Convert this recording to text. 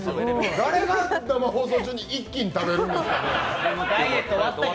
誰が生放送中に１斤食べるんですか！？